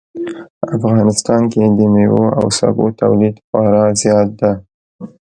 افغانستان کې د میوو او سبو تولید خورا زیات ده